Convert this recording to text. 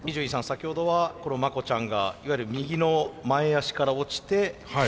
先ほどはこの魔虎ちゃんがいわゆる右の前足から落ちてですよね。